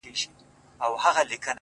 زه چي تا وينم لېونی سمه له حاله وځم-